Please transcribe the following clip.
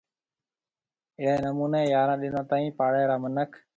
اهڙيَ نمونيَ يارهون ڏنون توڻِي پاݪيَ را منک